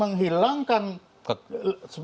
menghilangkan kegiatan ini ya pak